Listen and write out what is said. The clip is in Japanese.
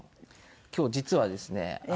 今日実はですね